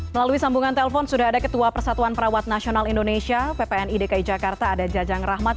melalui sambungan telpon sudah ada ketua persatuan perawat nasional indonesia ppni dki jakarta ada jajang rahmat